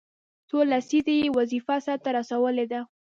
څو لسیزې یې وظیفه سرته رسولې ده.